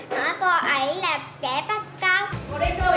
nói cô ấy là trẻ bắt cóc